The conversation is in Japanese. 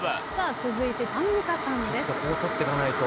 続いてアンミカさんです。